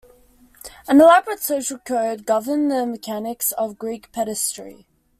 An elaborate social code governed the mechanics of Greek pederasty.